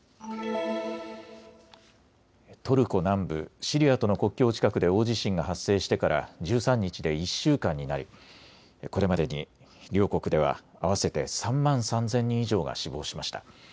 トルコ南部、シリアとの国境近くで大地震が発生してから１３日で１週間になりこれまでに両国では合わせて３万３０００人以上が死亡しました。